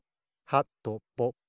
はとぽぽ。